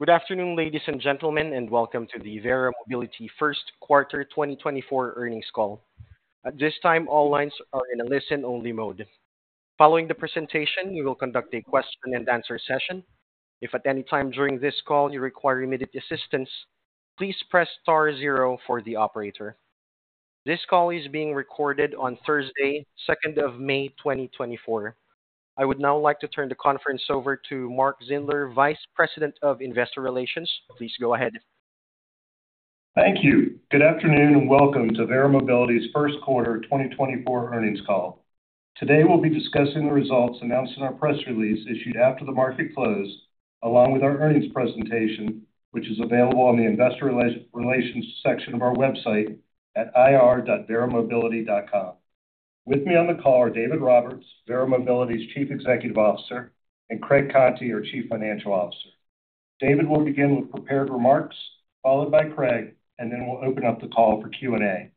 Good afternoon, ladies and gentlemen, and welcome to the Verra Mobility First Quarter 2024 earnings call. At this time, all lines are in a listen-only mode. Following the presentation, we will conduct a question-and-answer session. If at any time during this call you require immediate assistance, please press star zero for the operator. This call is being recorded on Thursday, 2nd of May 2024. I would now like to turn the conference over to Mark Zindler, Vice President of Investor Relations. Please go ahead. Thank you. Good afternoon and welcome to Verra Mobility's First Quarter 2024 earnings call. Today we'll be discussing the results announced in our press release issued after the market close, along with our earnings presentation, which is available on the Investor Relations section of our website at ir.verramobility.com. With me on the call are David Roberts, Verra Mobility's Chief Executive Officer, and Craig Conti, our Chief Financial Officer. David will begin with prepared remarks, followed by Craig, and then we'll open up the call for Q&A.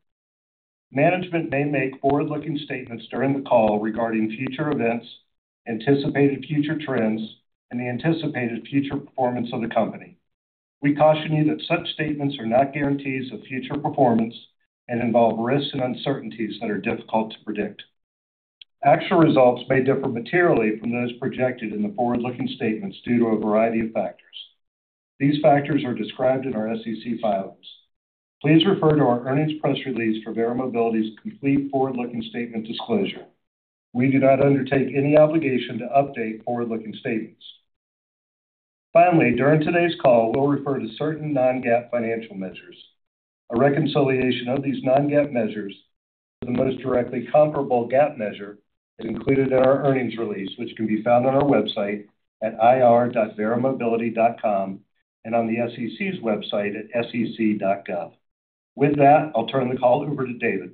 Management may make forward-looking statements during the call regarding future events, anticipated future trends, and the anticipated future performance of the company. We caution you that such statements are not guarantees of future performance and involve risks and uncertainties that are difficult to predict. Actual results may differ materially from those projected in the forward-looking statements due to a variety of factors. These factors are described in our SEC filings. Please refer to our earnings press release for Verra Mobility's complete forward-looking statement disclosure. We do not undertake any obligation to update forward-looking statements. Finally, during today's call, we'll refer to certain non-GAAP financial measures. A reconciliation of these non-GAAP measures to the most directly comparable GAAP measure is included in our earnings release, which can be found on our website at ir.verramobility.com and on the SEC's website at sec.gov. With that, I'll turn the call over to David.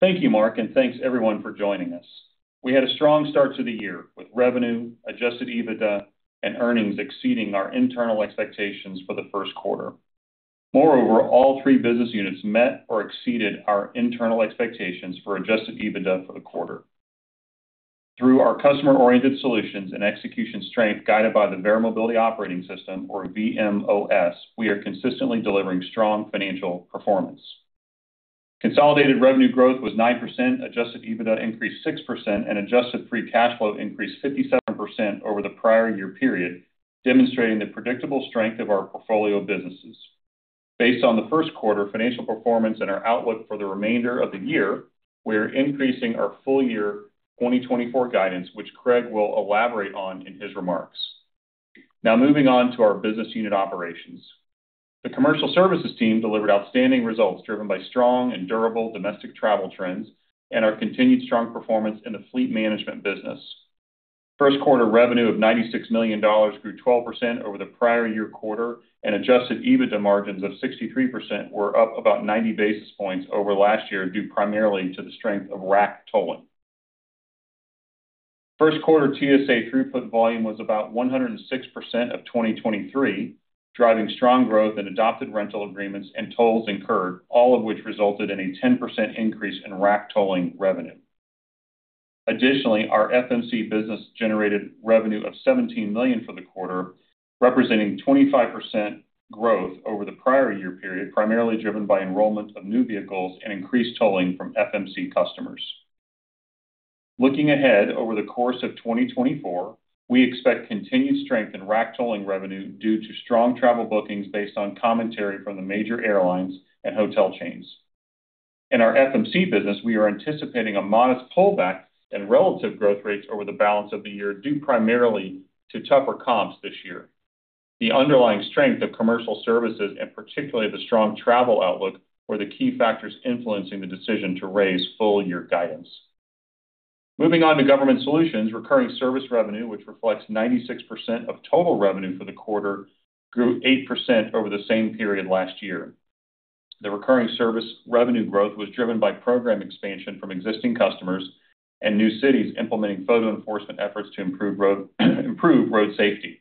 Thank you, Mark, and thanks everyone for joining us. We had a strong start to the year with revenue, Adjusted EBITDA, and earnings exceeding our internal expectations for the first quarter. Moreover, all three business units met or exceeded our internal expectations for Adjusted EBITDA for the quarter. Through our customer-oriented solutions and execution strength guided by the Verra Mobility Operating System, or VMOS, we are consistently delivering strong financial performance. Consolidated revenue growth was 9%, Adjusted EBITDA increased 6%, and Adjusted Free Cash Flow increased 57% over the prior year period, demonstrating the predictable strength of our portfolio businesses. Based on the first quarter financial performance and our outlook for the remainder of the year, we are increasing our full-year 2024 guidance, which Craig will elaborate on in his remarks. Now moving on to our business unit operations. The commercial services team delivered outstanding results driven by strong and durable domestic travel trends and our continued strong performance in the fleet management business. First quarter revenue of $96 million grew 12% over the prior year quarter, and Adjusted EBITDA margins of 63% were up about 90 basis points over last year due primarily to the strength of RAC Tolling. First quarter TSA Throughput volume was about 106% of 2023, driving strong growth in adopted rental agreements and tolls incurred, all of which resulted in a 10% increase in RAC Tolling revenue. Additionally, our FMC business generated revenue of $17 million for the quarter, representing 25% growth over the prior year period, primarily driven by enrollment of new vehicles and increased tolling from FMC customers. Looking ahead over the course of 2024, we expect continued strength in RAC Tolling revenue due to strong travel bookings based on commentary from the major airlines and hotel chains. In our FMC business, we are anticipating a modest pullback in relative growth rates over the balance of the year due primarily to tougher comps this year. The underlying strength of commercial services, and particularly the strong travel outlook, were the key factors influencing the decision to raise full-year guidance. Moving on to government solutions, recurring service revenue, which reflects 96% of total revenue for the quarter, grew 8% over the same period last year. The recurring service revenue growth was driven by program expansion from existing customers and new cities implementing Photo Enforcement efforts to improve road safety.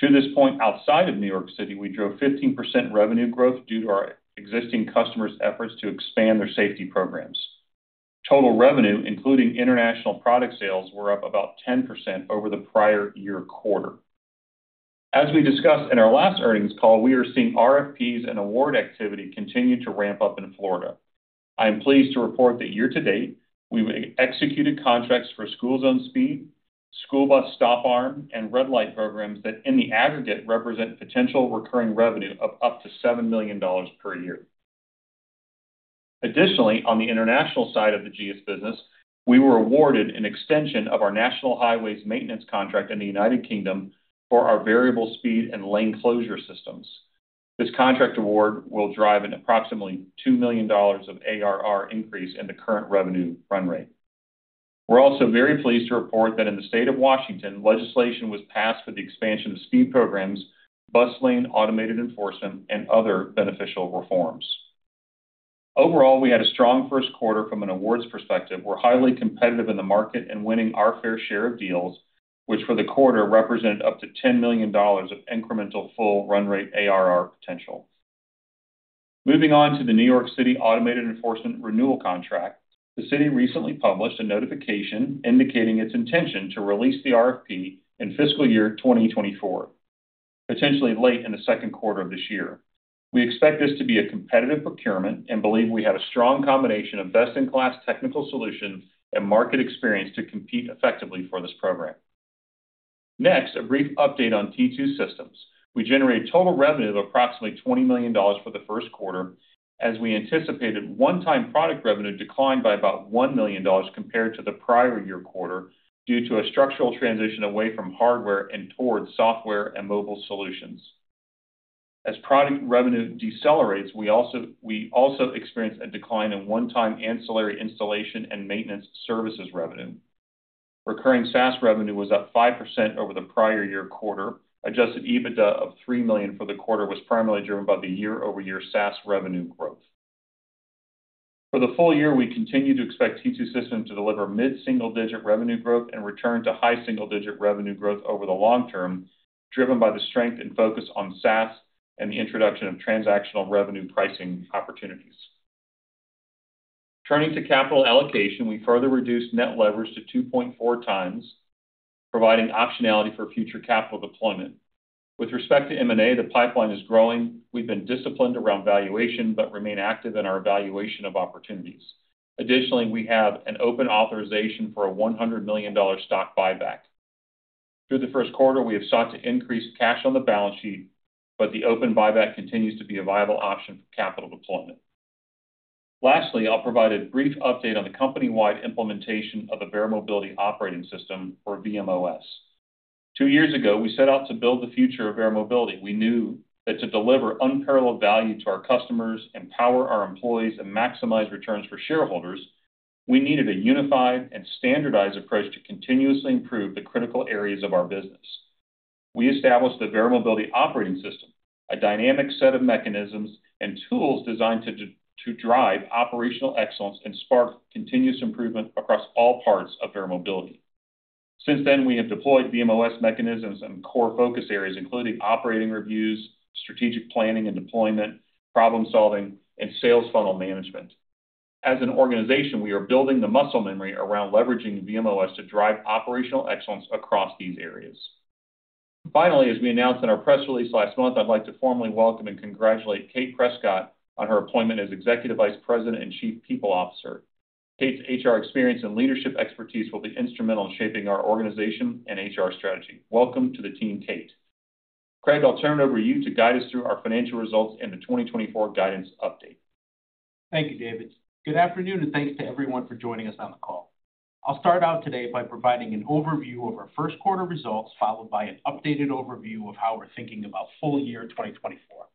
To this point, outside of New York City, we drove 15% revenue growth due to our existing customers' efforts to expand their safety programs. Total revenue, including international product sales, were up about 10% over the prior year quarter. As we discussed in our last earnings call, we are seeing RFPs and award activity continue to ramp up in Florida. I am pleased to report that year to date, we've executed contracts for school zone speed, school bus stop arm, and red light programs that, in the aggregate, represent potential recurring revenue of up to $7 million per year. Additionally, on the international side of the GS business, we were awarded an extension of our National Highways Maintenance Contract in the United Kingdom for our variable speed and lane closure systems. This contract award will drive an approximately $2 million of ARR increase in the current revenue run rate. We're also very pleased to report that in the state of Washington, legislation was passed for the expansion of speed programs, bus lane automated enforcement, and other beneficial reforms. Overall, we had a strong first quarter from an awards perspective. We're highly competitive in the market and winning our fair share of deals, which for the quarter represented up to $10 million of incremental full run rate ARR potential. Moving on to the New York City Automated Enforcement Renewal Contract, the city recently published a notification indicating its intention to release the RFP in fiscal year 2024, potentially late in the second quarter of this year. We expect this to be a competitive procurement and believe we have a strong combination of best-in-class technical solutions and market experience to compete effectively for this program. Next, a brief update on T2 Systems. We generated total revenue of approximately $20 million for the first quarter, as we anticipated one-time product revenue declined by about $1 million compared to the prior year quarter due to a structural transition away from hardware and towards software and mobile solutions. As product revenue decelerates, we also experienced a decline in one-time ancillary installation and maintenance services revenue. Recurring SaaS revenue was up 5% over the prior year quarter. Adjusted EBITDA of $3 million for the quarter was primarily driven by the year-over-year SaaS revenue growth. For the full year, we continue to expect T2 Systems to deliver mid-single digit revenue growth and return to high single digit revenue growth over the long term, driven by the strength and focus on SaaS and the introduction of transactional revenue pricing opportunities. Turning to capital allocation, we further reduced net leverage to 2.4 times, providing optionality for future capital deployment. With respect to M&A, the pipeline is growing. We've been disciplined around valuation but remain active in our evaluation of opportunities. Additionally, we have an open authorization for a $100 million stock buyback. Through the first quarter, we have sought to increase cash on the balance sheet, but the open buyback continues to be a viable option for capital deployment. Lastly, I'll provide a brief update on the company-wide implementation of the Verra Mobility Operating System, or VMOS. Two years ago, we set out to build the future of Verra Mobility. We knew that to deliver unparalleled value to our customers, empower our employees, and maximize returns for shareholders, we needed a unified and standardized approach to continuously improve the critical areas of our business. We established the Verra Mobility Operating System, a dynamic set of mechanisms and tools designed to drive operational excellence and spark continuous improvement across all parts of Verra Mobility. Since then, we have deployed VMOS mechanisms and core focus areas, including operating reviews, strategic planning and deployment, problem-solving, and sales funnel management. As an organization, we are building the muscle memory around leveraging VMOS to drive operational excellence across these areas. Finally, as we announced in our press release last month, I'd like to formally welcome and congratulate Cate Prescott on her appointment as Executive Vice President and Chief People Officer. Cate's HR experience and leadership expertise will be instrumental in shaping our organization and HR strategy. Welcome to the team, Cate. Craig, I'll turn it over to you to guide us through our financial results and the 2024 guidance update. Thank you, David. Good afternoon, and thanks to everyone for joining us on the call. I'll start out today by providing an overview of our first quarter results, followed by an updated overview of how we're thinking about full-year 2024.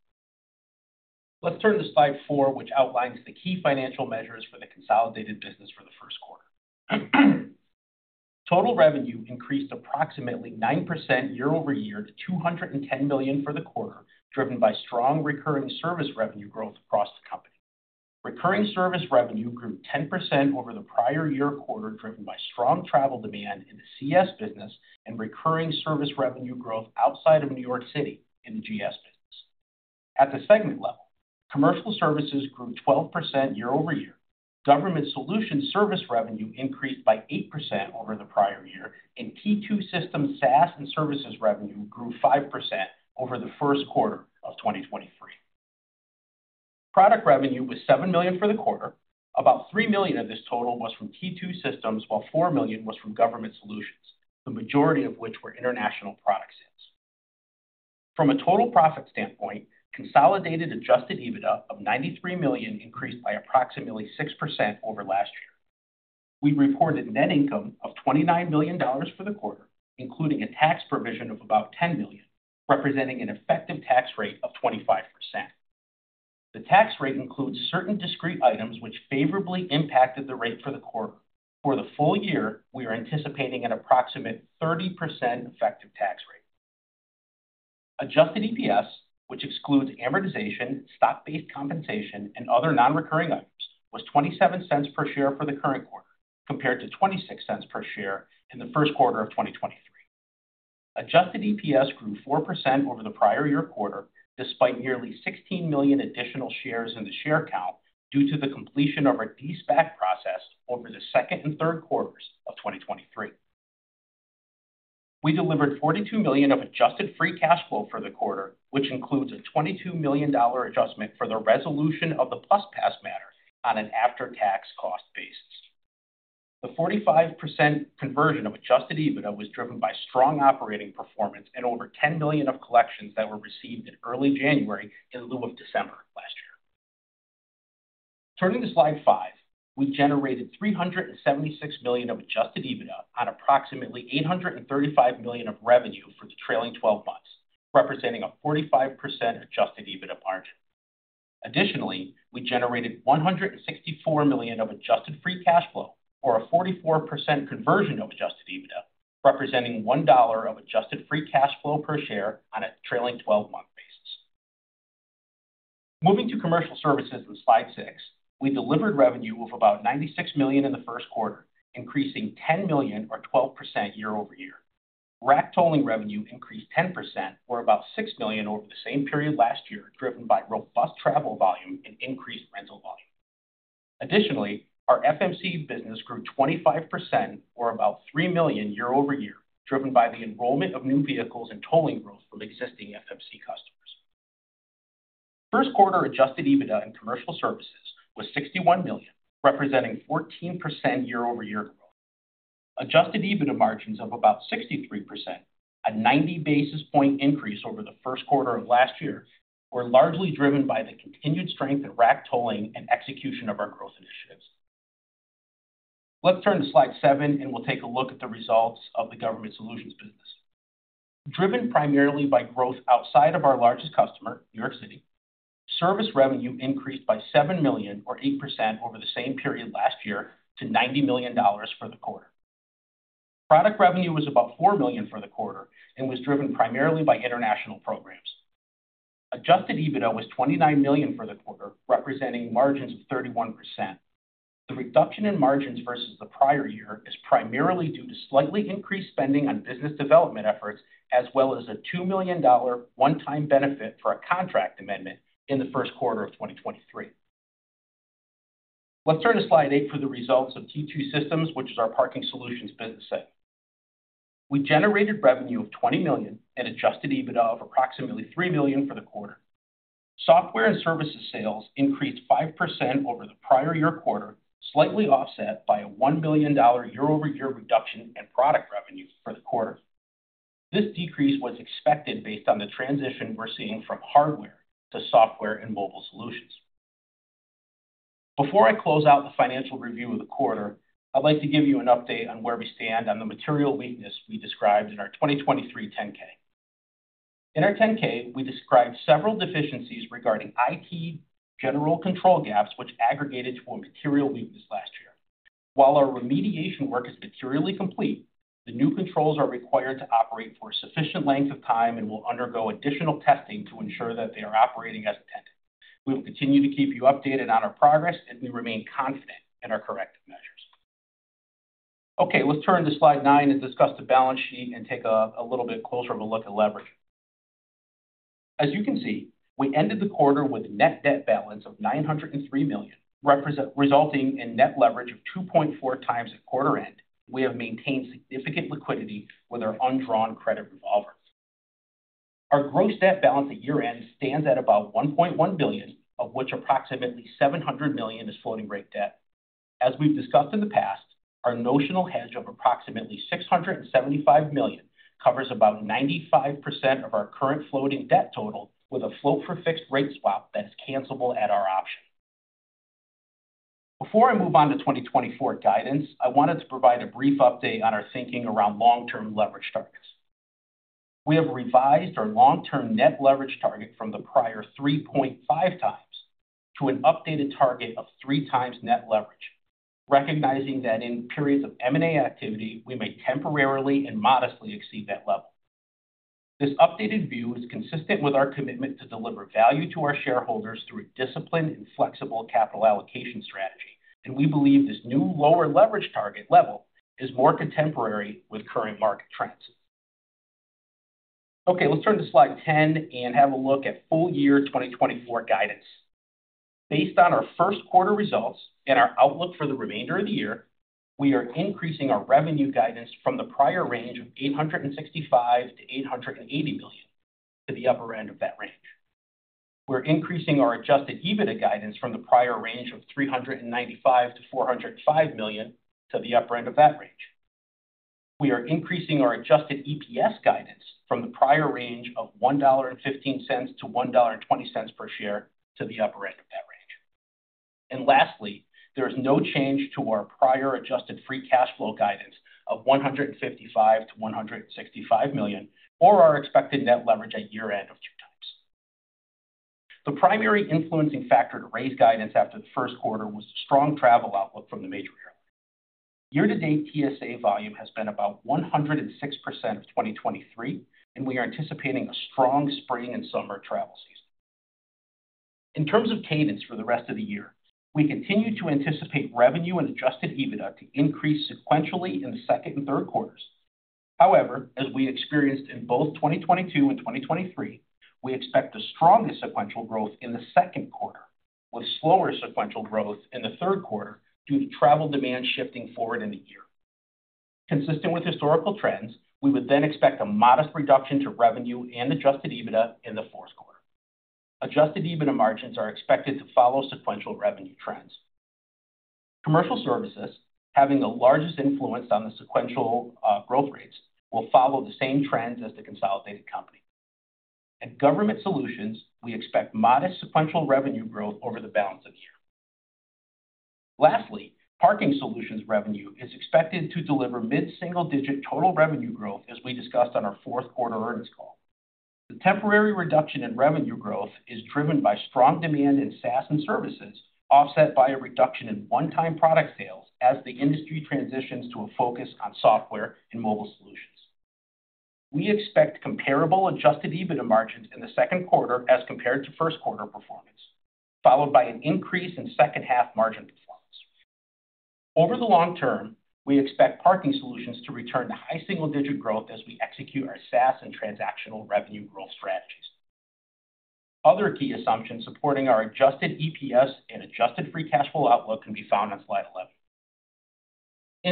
Let's turn to slide four, which outlines the key financial measures for the consolidated business for the first quarter. Total revenue increased approximately 9% year-over-year to $210 million for the quarter, driven by strong recurring service revenue growth across the company. Recurring service revenue grew 10% over the prior year quarter, driven by strong travel demand in the CS business and recurring service revenue growth outside of New York City in the GS business. At the segment level, commercial services grew 12% year-over-year. Government Solutions service revenue increased by 8% over the prior year, and T2 Systems SaaS and services revenue grew 5% over the first quarter of 2023. Product revenue was $7 million for the quarter. About $3 million of this total was from T2 Systems, while $4 million was from Government Solutions, the majority of which were international product sales. From a total profit standpoint, consolidated Adjusted EBITDA of $93 million increased by approximately 6% over last year. We reported net income of $29 million for the quarter, including a tax provision of about $10 million, representing an effective tax rate of 25%. The tax rate includes certain discrete items which favorably impacted the rate for the quarter. For the full year, we are anticipating an approximate 30% effective tax rate. Adjusted EPS, which excludes amortization, stock-based compensation, and other non-recurring items, was $0.27 per share for the current quarter, compared to $0.26 per share in the first quarter of 2023. Adjusted EPS grew 4% over the prior year quarter, despite nearly 16 million additional shares in the share count due to the completion of a De-SPAC process over the second and third quarters of 2023. We delivered $42 million of adjusted free cash flow for the quarter, which includes a $22 million adjustment for the resolution of the PlusPass matter on an after-tax cost basis. The 45% conversion of adjusted EBITDA was driven by strong operating performance and over $10 million of collections that were received in early January in lieu of December last year. Turning to slide 5, we generated $376 million of Adjusted EBITDA on approximately $835 million of revenue for the trailing 12 months, representing a 45% Adjusted EBITDA margin. Additionally, we generated $164 million of Adjusted Free Cash Flow, or a 44% conversion of Adjusted EBITDA, representing $1 of Adjusted Free Cash Flow per share on a trailing 12-month basis. Moving to Commercial Services on slide 6, we delivered revenue of about $96 million in the first quarter, increasing $10 million, or 12% year-over-year. Rack Tolling revenue increased 10%, or about $6 million over the same period last year, driven by robust travel volume and increased rental volume. Additionally, our FMC business grew 25%, or about $3 million year-over-year, driven by the enrollment of new vehicles and tolling growth from existing FMC customers. First quarter Adjusted EBITDA in commercial services was $61 million, representing 14% year-over-year growth. Adjusted EBITDA margins of about 63%, a 90 basis point increase over the first quarter of last year, were largely driven by the continued strength in Rack Tolling and execution of our growth initiatives. Let's turn to slide seven, and we'll take a look at the results of the government solutions business. Driven primarily by growth outside of our largest customer, New York City, service revenue increased by $7 million, or 8%, over the same period last year to $90 million for the quarter. Product revenue was about $4 million for the quarter and was driven primarily by international programs. Adjusted EBITDA was $29 million for the quarter, representing margins of 31%. The reduction in margins versus the prior year is primarily due to slightly increased spending on business development efforts, as well as a $2 million one-time benefit for a contract amendment in the first quarter of 2023. Let's turn to slide 8 for the results of T2 Systems, which is our parking solutions business segment. We generated revenue of $20 million and Adjusted EBITDA of approximately $3 million for the quarter. Software and services sales increased 5% over the prior year quarter, slightly offset by a $1 million year-over-year reduction in product revenue for the quarter. This decrease was expected based on the transition we're seeing from hardware to software and mobile solutions. Before I close out the financial review of the quarter, I'd like to give you an update on where we stand on the Material Weakness we described in our 2023 10-K. In our 10-K, we described several deficiencies regarding IT general control gaps, which aggregated to a Material Weakness last year. While our remediation work is materially complete, the new controls are required to operate for a sufficient length of time and will undergo additional testing to ensure that they are operating as intended. We will continue to keep you updated on our progress, and we remain confident in our corrective measures. Okay, let's turn to slide nine and discuss the balance sheet and take a little bit closer of a look at leverage. As you can see, we ended the quarter with a net debt balance of $903 million, resulting in Net Leverage of 2.4x at quarter-end. We have maintained significant liquidity with our undrawn credit revolver. Our gross debt balance at year-end stands at about $1.1 billion, of which approximately $700 million is floating rate debt. As we've discussed in the past, our notional hedge of approximately $675 million covers about 95% of our current floating debt total with a float-for-fixed rate swap that is cancelable at our option. Before I move on to 2024 guidance, I wanted to provide a brief update on our thinking around long-term leverage targets. We have revised our long-term net leverage target from the prior 3.5x to an updated target of 3x net leverage, recognizing that in periods of M&A activity, we may temporarily and modestly exceed that level. This updated view is consistent with our commitment to deliver value to our shareholders through a disciplined and flexible capital allocation strategy, and we believe this new lower leverage target level is more contemporary with current market trends. Okay, let's turn to slide 10 and have a look at full-year 2024 guidance. Based on our first quarter results and our outlook for the remainder of the year, we are increasing our revenue guidance from the prior range of $865 million to $880 million, to the upper end of that range. We're increasing our Adjusted EBITDA guidance from the prior range of $395 million to $405 million, to the upper end of that range. We are increasing our Adjusted EPS guidance from the prior range of $1.15 to $1.20 per share, to the upper end of that range. And lastly, there is no change to our prior Adjusted Free Cash Flow guidance of $155 million to $165 million, or our expected Net Leverage at year-end of 2x. The primary influencing factor to raise guidance after the first quarter was the strong travel outlook from the major airlines. Year-to-date TSA volume has been about 106% of 2023, and we are anticipating a strong spring and summer travel season. In terms of cadence for the rest of the year, we continue to anticipate revenue and adjusted EBITDA to increase sequentially in the second and third quarters. However, as we experienced in both 2022 and 2023, we expect the strongest sequential growth in the second quarter, with slower sequential growth in the third quarter due to travel demand shifting forward in the year. Consistent with historical trends, we would then expect a modest reduction to revenue and adjusted EBITDA in the fourth quarter. Adjusted EBITDA margins are expected to follow sequential revenue trends. Commercial services, having the largest influence on the sequential growth rates, will follow the same trends as the consolidated company. At government solutions, we expect modest sequential revenue growth over the balance of the year. Lastly, parking solutions revenue is expected to deliver mid-single-digit total revenue growth, as we discussed on our fourth quarter earnings call. The temporary reduction in revenue growth is driven by strong demand in SaaS and services, offset by a reduction in one-time product sales as the industry transitions to a focus on software and mobile solutions. We expect comparable Adjusted EBITDA margins in the second quarter as compared to first quarter performance, followed by an increase in second-half margin performance. Over the long term, we expect parking solutions to return to high single-digit growth as we execute our SaaS and transactional revenue growth strategies. Other key assumptions supporting our Adjusted EPS and Adjusted Free Cash Flow outlook can be found on slide 11.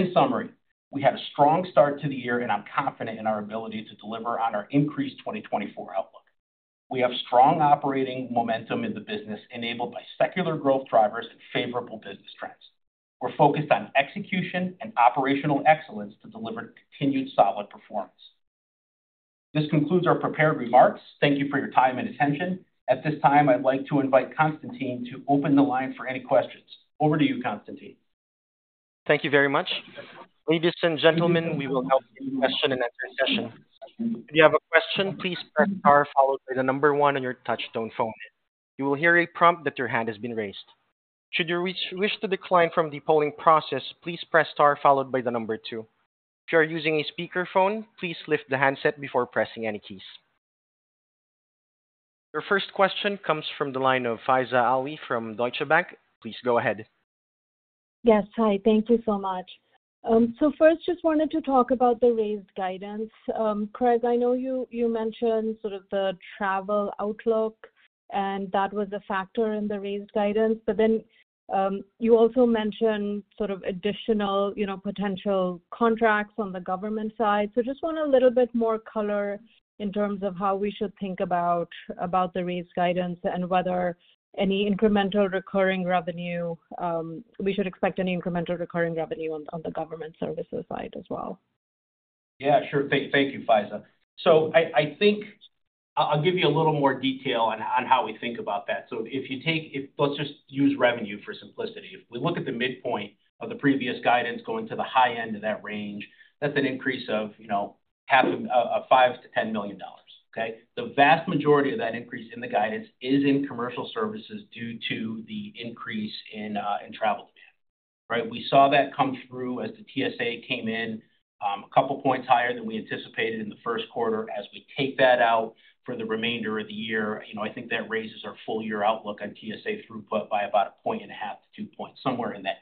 In summary, we had a strong start to the year, and I'm confident in our ability to deliver on our increased 2024 outlook. We have strong operating momentum in the business enabled by secular growth drivers and favorable business trends. We're focused on execution and operational excellence to deliver continued solid performance. This concludes our prepared remarks. Thank you for your time and attention. At this time, I'd like to invite Constantine to open the line for any questions. Over to you, Constantine. Thank you very much. Ladies and gentlemen, we will now begin the question and answer session. If you have a question, please press star followed by the number 1 on your touch-tone phone. You will hear a prompt that your hand has been raised. Should you wish to decline from the polling process, please press star followed by the number 2. If you are using a speakerphone, please lift the handset before pressing any keys. Your first question comes from the line of Faiza Alwy from Deutsche Bank. Please go ahead. Yes. Hi. Thank you so much. So first, just wanted to talk about the raised guidance. Craig, I know you mentioned sort of the travel outlook, and that was a factor in the raised guidance. But then you also mentioned sort of additional potential contracts on the government side. So just want a little bit more color in terms of how we should think about the raised guidance and whether we should expect any incremental recurring revenue on the government services side as well. Yeah, sure. Thank you, Faiza. So I think I'll give you a little more detail on how we think about that. So if you take, let's just use revenue for simplicity. If we look at the midpoint of the previous guidance going to the high end of that range, that's an increase of half a $5-$10 million, okay? The vast majority of that increase in the guidance is in commercial services due to the increase in travel demand, right? We saw that come through as the TSA came in a couple points higher than we anticipated in the first quarter. As we take that out for the remainder of the year, I think that raises our full-year outlook on TSA throughput by about 1.5-2 points, somewhere in that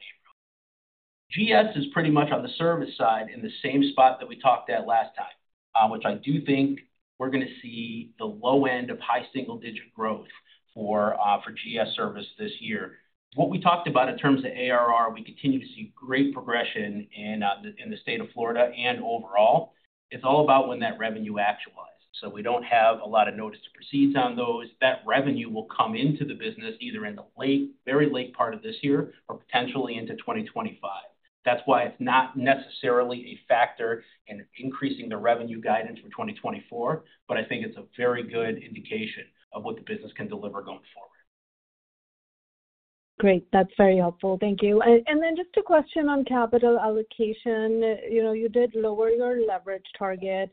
neighborhood. GS is pretty much on the service side in the same spot that we talked at last time, which I do think we're going to see the low end of high single-digit growth for GS service this year. What we talked about in terms of ARR, we continue to see great progression in the state of Florida and overall. It's all about when that revenue actualizes. So we don't have a lot of notice to proceed on those. That revenue will come into the business either in the late, very late part of this year or potentially into 2025. That's why it's not necessarily a factor in increasing the revenue guidance for 2024, but I think it's a very good indication of what the business can deliver going forward. Great. That's very helpful. Thank you. And then just a question on capital allocation. You did lower your leverage target,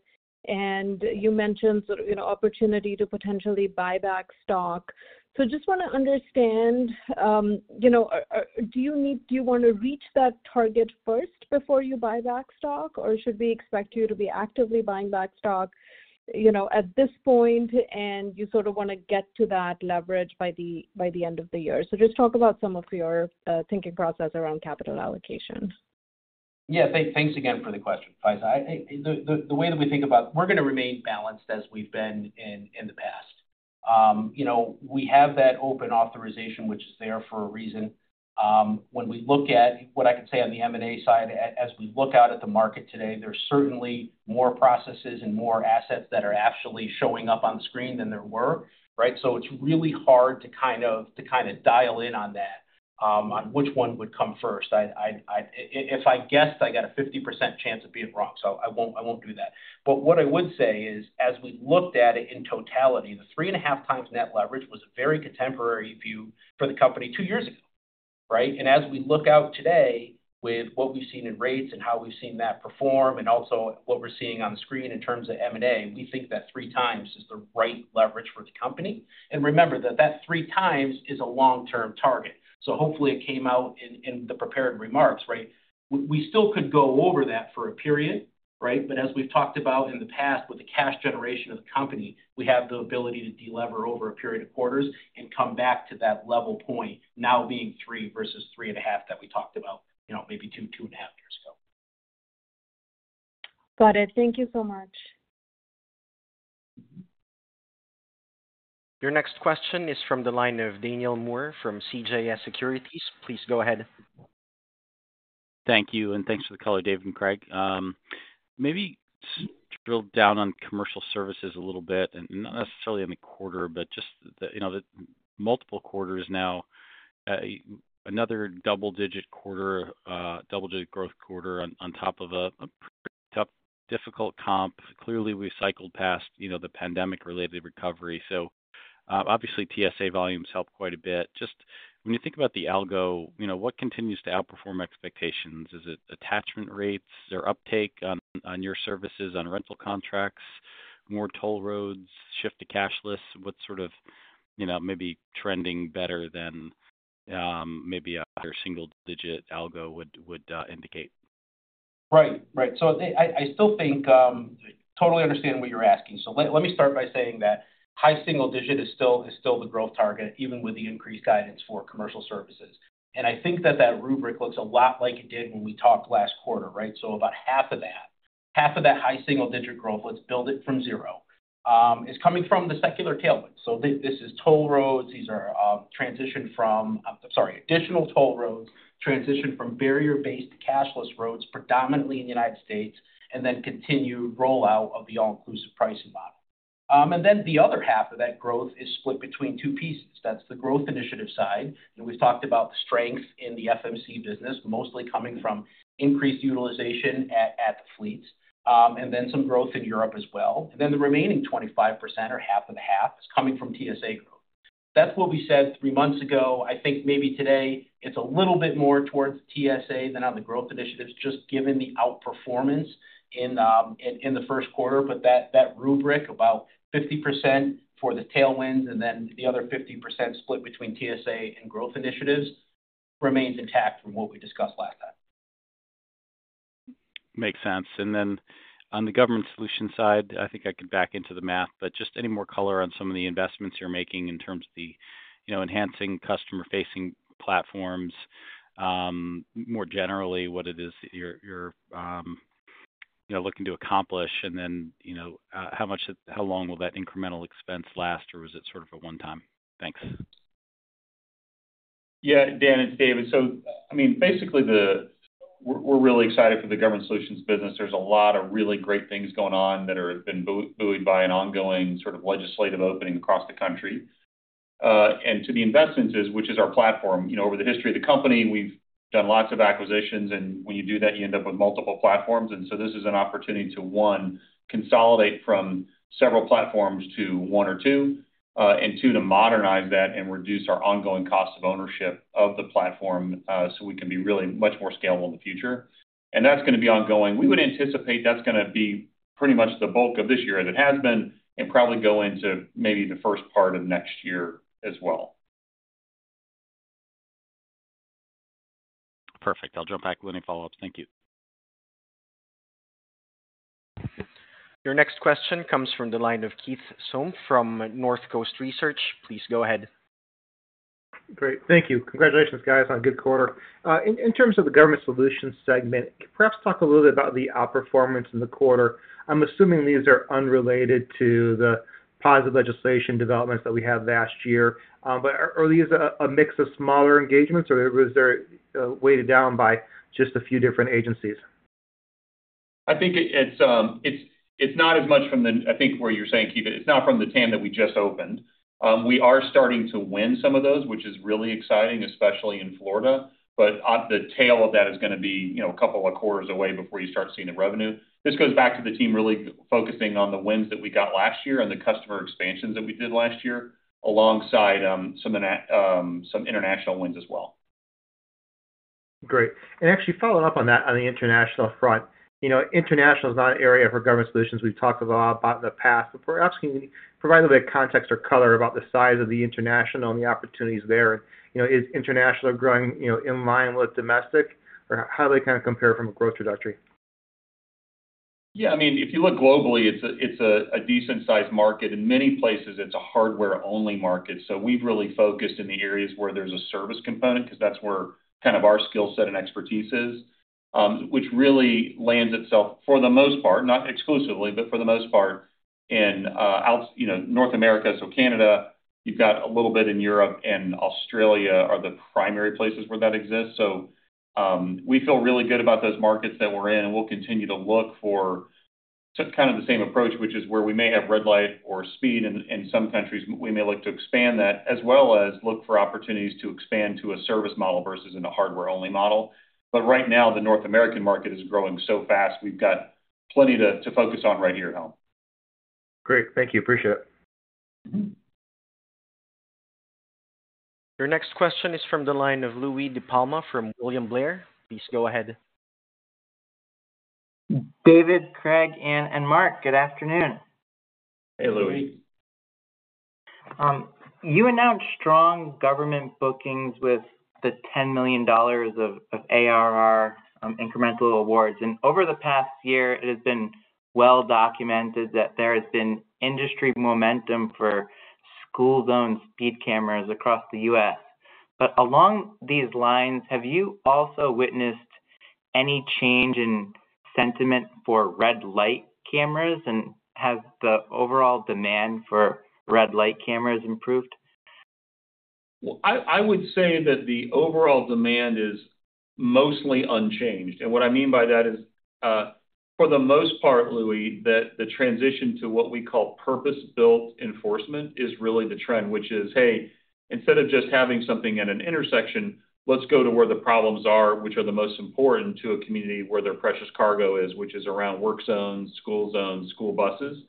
and you mentioned sort of opportunity to potentially buy back stock. So I just want to understand, do you want to reach that target first before you buy back stock, or should we expect you to be actively buying back stock at this point, and you sort of want to get to that leverage by the end of the year? So just talk about some of your thinking process around capital allocation. Yeah. Thanks again for the question, Faiza. The way that we think about we're going to remain balanced as we've been in the past. We have that open authorization, which is there for a reason. When we look at what I could say on the M&A side, as we look out at the market today, there's certainly more processes and more assets that are actually showing up on the screen than there were, right? So it's really hard to kind of dial in on that, on which one would come first. If I guessed, I got a 50% chance of being wrong, so I won't do that. But what I would say is, as we looked at it in totality, the 3.5 times Net Leverage was a very contemporary view for the company two years ago, right? As we look out today with what we've seen in rates and how we've seen that perform and also what we're seeing on the screen in terms of M&A, we think that 3x is the right leverage for the company. Remember that that 3x is a long-term target. Hopefully, it came out in the prepared remarks, right? We still could go over that for a period, right? But as we've talked about in the past with the cash generation of the company, we have the ability to delever over a period of quarters and come back to that level point now being 3x versus 3.5x that we talked about maybe 2, 2.5 years ago. Got it. Thank you so much. Your next question is from the line of Daniel Moore from CJS Securities. Please go ahead. Thank you. And thanks for the color, David and Craig. Maybe drill down on commercial services a little bit, and not necessarily in the quarter, but just the multiple quarters now, another double-digit quarter, double-digit growth quarter on top of a pretty tough, difficult comp. Clearly, we cycled past the pandemic-related recovery. So obviously, TSA volumes helped quite a bit. Just when you think about the algo, what continues to outperform expectations? Is it attachment rates or uptake on your services, on rental contracts, more toll roads, shift to cashless? What's sort of maybe trending better than maybe a single-digit algo would indicate? Right. Right. So I still think totally understand what you're asking. So let me start by saying that high single-digit is still the growth target, even with the increased guidance for commercial services. And I think that that rubric looks a lot like it did when we talked last quarter, right? So about half of that, half of that high single-digit growth, let's build it from zero, is coming from the secular tailwind. So this is toll roads. These are transition from, I'm sorry, additional toll roads, transition from barrier-based to cashless roads, predominantly in the United States, and then continued rollout of the all-inclusive pricing model. And then the other half of that growth is split between two pieces. That's the growth initiative side. We've talked about the strength in the FMC business, mostly coming from increased utilization at the fleets, and then some growth in Europe as well. Then the remaining 25% or half of the half is coming from TSA growth. That's what we said three months ago. I think maybe today, it's a little bit more towards TSA than on the growth initiatives, just given the outperformance in the first quarter. But that rubric about 50% for the tailwinds and then the other 50% split between TSA and growth initiatives remains intact from what we discussed last time. Makes sense. And then on the government solution side, I think I could back into the math, but just any more color on some of the investments you're making in terms of the enhancing customer-facing platforms, more generally, what it is you're looking to accomplish, and then how long will that incremental expense last, or was it sort of a one-time? Thanks. Yeah, Dan and David. So I mean, basically, we're really excited for the government solutions business. There's a lot of really great things going on that have been buoyed by an ongoing sort of legislative opening across the country. And to the investments, which is our platform, over the history of the company, we've done lots of acquisitions, and when you do that, you end up with multiple platforms. And so this is an opportunity to, one, consolidate from several platforms to one or two, and two, to modernize that and reduce our ongoing cost of ownership of the platform so we can be really much more scalable in the future. And that's going to be ongoing. We would anticipate that's going to be pretty much the bulk of this year as it has been and probably go into maybe the first part of next year as well. Perfect. I'll jump back with any follow-ups. Thank you. Your next question comes from the line of Keith Housum from North Coast Research. Please go ahead. Great. Thank you. Congratulations, guys, on a good quarter. In terms of the government solutions segment, perhaps talk a little bit about the outperformance in the quarter. I'm assuming these are unrelated to the positive legislation developments that we had last year, but are these a mix of smaller engagements, or was there weighted down by just a few different agencies? I think it's not as much from what you're saying, Keith. It's not from the TAM that we just opened. We are starting to win some of those, which is really exciting, especially in Florida. But the tail of that is going to be a couple of quarters away before you start seeing the revenue. This goes back to the team really focusing on the wins that we got last year and the customer expansions that we did last year alongside some international wins as well. Great. And actually, following up on that on the international front, international is not an area for government solutions. We've talked about it in the past, but perhaps can you provide a little bit of context or color about the size of the international and the opportunities there? And is international growing in line with domestic, or how do they kind of compare from a growth trajectory? Yeah. I mean, if you look globally, it's a decent-sized market. In many places, it's a hardware-only market. So we've really focused in the areas where there's a service component because that's where kind of our skill set and expertise is, which really lands itself, for the most part, not exclusively, but for the most part, in North America. So Canada, you've got a little bit in Europe, and Australia are the primary places where that exists. So we feel really good about those markets that we're in, and we'll continue to look for kind of the same approach, which is where we may have red light or speed in some countries. We may look to expand that as well as look for opportunities to expand to a service model versus in a hardware-only model. But right now, the North American market is growing so fast, we've got plenty to focus on right here at home. Great. Thank you. Appreciate it. Your next question is from the line of Louis DiPalma from William Blair. Please go ahead. David, Craig, Anne, and Mark, good afternoon. Hey, Louis. You announced strong government bookings with the $10 million of ARR incremental awards. Over the past year, it has been well documented that there has been industry momentum for school-zone speed cameras across the U.S. Along these lines, have you also witnessed any change in sentiment for red light cameras, and has the overall demand for red light cameras improved? Well, I would say that the overall demand is mostly unchanged. What I mean by that is, for the most part, Louis, that the transition to what we call purpose-built enforcement is really the trend, which is, hey, instead of just having something at an intersection, let's go to where the problems are, which are the most important to a community where their precious cargo is, which is around work zones, school zones, school buses.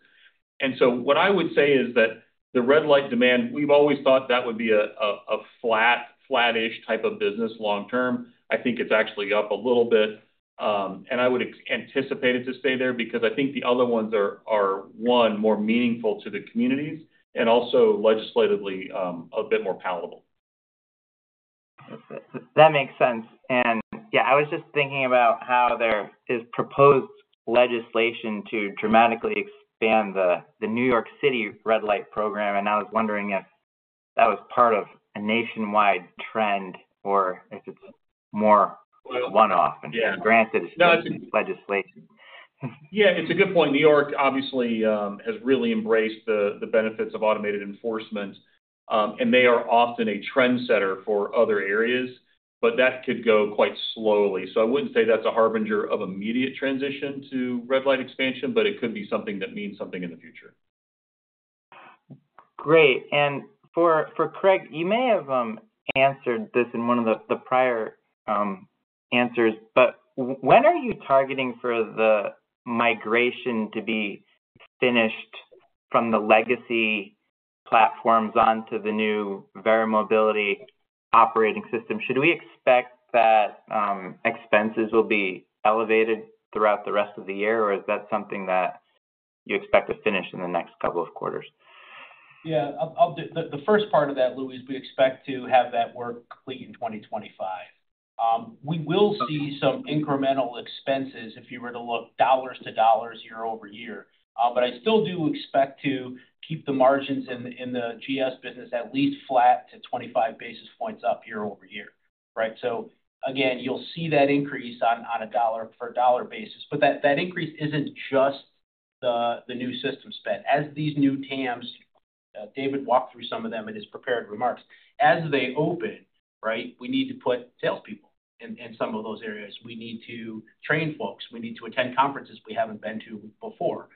What I would say is that the red light demand, we've always thought that would be a flat-ish type of business long term. I think it's actually up a little bit. I would anticipate it to stay there because I think the other ones are, one, more meaningful to the communities and also legislatively a bit more palatable. That makes sense. Yeah, I was just thinking about how there is proposed legislation to dramatically expand the New York City red light program. I was wondering if that was part of a nationwide trend or if it's more one-off. Granted, it's legislation. Yeah, it's a good point. New York, obviously, has really embraced the benefits of automated enforcement, and they are often a trendsetter for other areas, but that could go quite slowly. So I wouldn't say that's a harbinger of immediate transition to red light expansion, but it could be something that means something in the future. Great. And for Craig, you may have answered this in one of the prior answers, but when are you targeting for the migration to be finished from the legacy platforms onto the new Verra Mobility Operating System? Should we expect that expenses will be elevated throughout the rest of the year, or is that something that you expect to finish in the next couple of quarters? Yeah. The first part of that, Louis, we expect to have that work complete in 2025. We will see some incremental expenses if you were to look dollars to dollars year-over-year. But I still do expect to keep the margins in the GS business at least flat to 25 basis points up year-over-year, right? So again, you'll see that increase on a dollar-for-dollar basis. But that increase isn't just the new system spend. As these new TAMs David walked through some of them in his prepared remarks. As they open, right, we need to put salespeople in some of those areas. We need to train folks. We need to attend conferences we haven't been to before.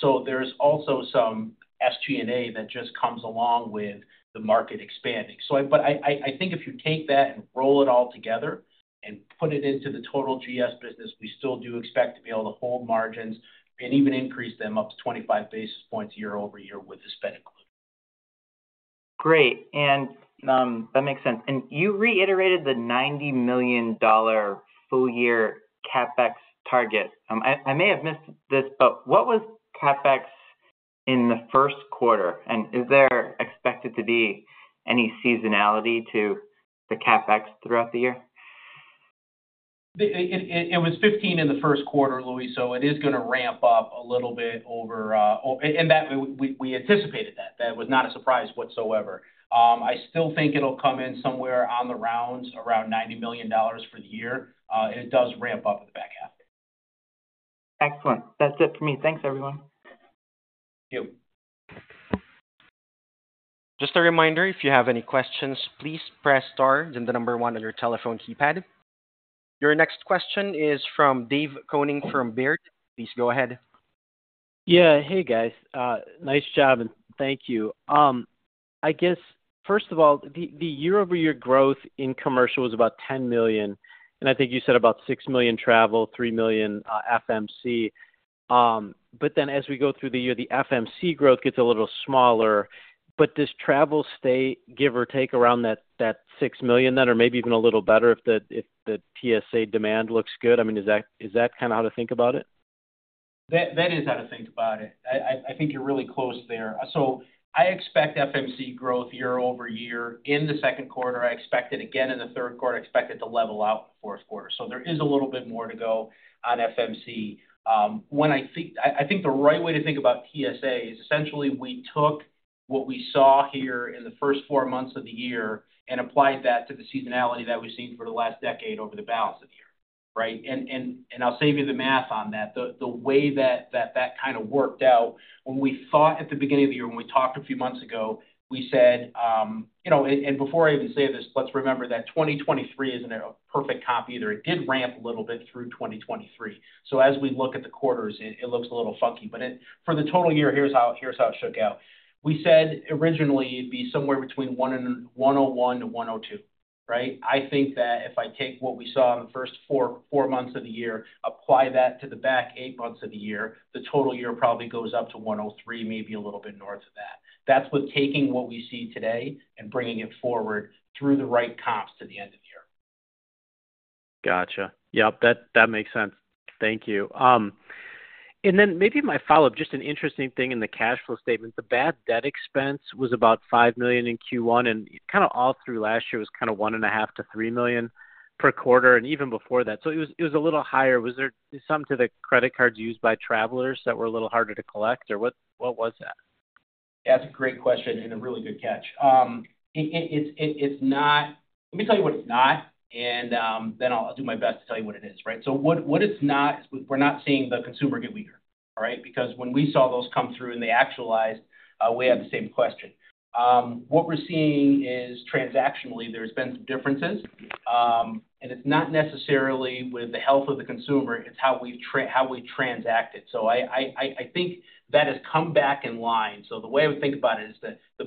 So there's also some SG&A that just comes along with the market expanding. I think if you take that and roll it all together and put it into the total GS business, we still do expect to be able to hold margins and even increase them up to 25 basis points year-over-year with the spend included. Great. That makes sense. You reiterated the $90 million full-year CapEx target. I may have missed this, but what was CapEx in the first quarter? Is there expected to be any seasonality to the CapEx throughout the year? It was 15 in the first quarter, Louis, so it is going to ramp up a little bit over, and we anticipated that. That was not a surprise whatsoever. I still think it'll come in somewhere on the rounds around $90 million for the year. It does ramp up in the back half. Excellent. That's it for me. Thanks, everyone. Thank you. Just a reminder, if you have any questions, please press stars and the number one on your telephone keypad. Your next question is from Dave Koning from Baird. Please go ahead. Yeah. Hey, guys. Nice job, and thank you. I guess, first of all, the year-over-year growth in commercial was about $10 million. And I think you said about $6 million travel, $3 million FMC. But then as we go through the year, the FMC growth gets a little smaller. But does travel stay, give or take, around that $6 million then or maybe even a little better if the TSA demand looks good? I mean, is that kind of how to think about it? That is how to think about it. I think you're really close there. So I expect FMC growth year-over-year in the second quarter. I expect it again in the third quarter. I expect it to level out in the fourth quarter. So there is a little bit more to go on FMC. I think the right way to think about TSA is essentially we took what we saw here in the first four months of the year and applied that to the seasonality that we've seen for the last decade over the balance of the year, right? And I'll save you the math on that. The way that that kind of worked out, when we thought at the beginning of the year, when we talked a few months ago, we said and before I even say this, let's remember that 2023 isn't a perfect copy either. It did ramp a little bit through 2023. So as we look at the quarters, it looks a little funky. But for the total year, here's how it shook out. We said originally it'd be somewhere between 101-102, right? I think that if I take what we saw in the first four months of the year, apply that to the back eight months of the year, the total year probably goes up to 103, maybe a little bit north of that. That's with taking what we see today and bringing it forward through the right comps to the end of the year. Gotcha. Yep. That makes sense. Thank you. And then maybe my follow-up, just an interesting thing in the cash flow statement, the bad debt expense was about $5 million in Q1, and kind of all through last year was kind of $1.5 million-$3 million per quarter and even before that. So it was a little higher. Was there some to the credit cards used by travelers that were a little harder to collect, or what was that? Yeah, that's a great question and a really good catch. Let me tell you what it's not, and then I'll do my best to tell you what it is, right? So what it's not is we're not seeing the consumer get weaker, all right? Because when we saw those come through and they actualized, we had the same question. What we're seeing is transactionally, there's been some differences. And it's not necessarily with the health of the consumer. It's how we transacted. So I think that has come back in line. So the way I would think about it is the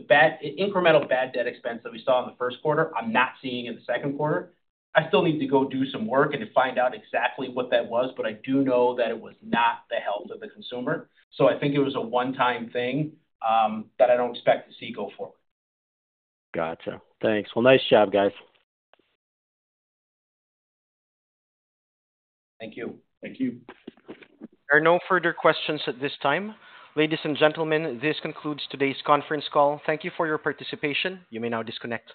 incremental bad debt expense that we saw in the first quarter, I'm not seeing in the second quarter. I still need to go do some work and find out exactly what that was, but I do know that it was not the health of the consumer. I think it was a one-time thing that I don't expect to see go forward. Gotcha. Thanks. Well, nice job, guys. Thank you. Thank you. There are no further questions at this time. Ladies and gentlemen, this concludes today's conference call. Thank you for your participation. You may now disconnect.